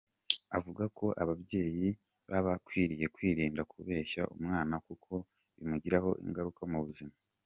Avuga ko ababyeyi baba bakwiriye kwirinda kubeshya umwana kuko bimugiraho ingaruka mu buzima.